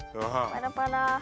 パラパラ。